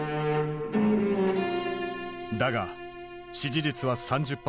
だが支持率は３０％。